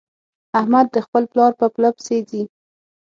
احمد د خپل پلار په پله پسې ځي.